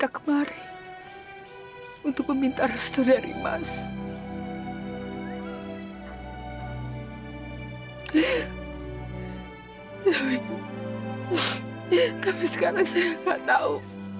karena saya gak tahu